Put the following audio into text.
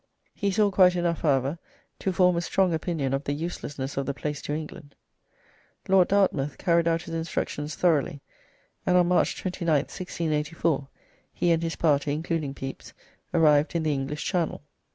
He saw quite enough, however, to form a strong opinion of the uselessness of the place to England. Lord Dartmouth carried out his instructions thoroughly, and on March 29th, 1684, he and his party (including Pepys) arrived in the English Channel.